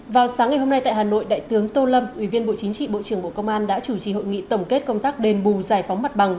vào sáng ngày hôm nay tại hà nội đại tướng tô lâm ủy viên bộ chính trị bộ trưởng bộ công an đã chủ trì hội nghị tổng kết công tác đền bù giải phóng mặt bằng